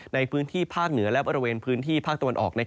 ในพื้นที่ภาคเหนือและบริเวณพื้นที่ภาคตะวันออก